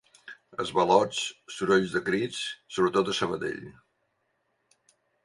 Esvalots, sorolls de crits, sobretot a Sabadell.